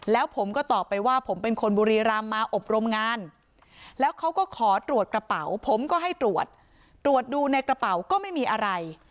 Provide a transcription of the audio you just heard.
แล้วผมก็ตอบไปว่าผมเป็นคนบุรีรำมาอบรมงานแล้วเขาก็ขอตรวจกระเป๋าผมก็ให้ตรวจตรวจดูในกระเป๋าก็ไม่มีอะไร